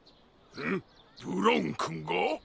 ブラウンくんが？